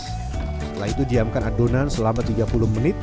setelah itu diamkan adonan selama tiga puluh menit